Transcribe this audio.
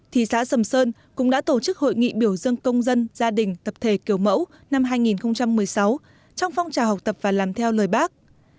thị xã sầm sơn cũng đã tổ chức hội nghị biểu dương công dân gia đình tập thể kiểu mẫu năm hai nghìn một mươi sáu trong phong trào học tập và làm theo lời bác